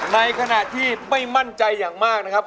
ในขณะที่ไม่มั่นใจอย่างมากนะครับ